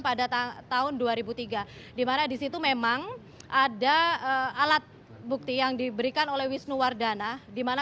pada tahun dua ribu tiga dimana disitu memang ada alat bukti yang diberikan oleh wisnu wardana dimana